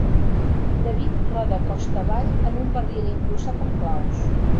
David roda costa avall en un barril incrustat amb claus.